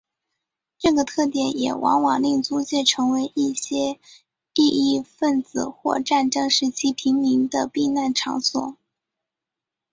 这个特点也往往令租界成为一些异议份子或战争时期平民的避难场所。